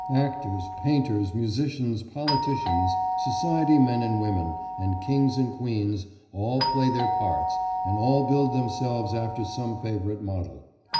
Actors, painters, musicians, politicians, society men and women, and kings and queens, all play their parts, and all build themselves after some favourite model.